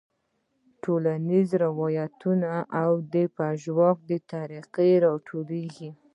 ټولنیزو رواياتو او د ژواک د طريقو نه راټوکيږي -